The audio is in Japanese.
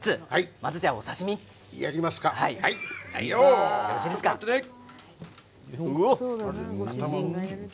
まずはお刺身を。